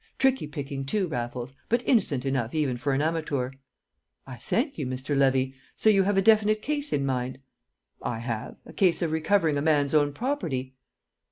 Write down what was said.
"Tricky picking too, Raffles, but innocent enough even for an amatoor." "I thank you, Mr. Levy. So you have a definite case in mind?" "I have a case of recovering a man's own property."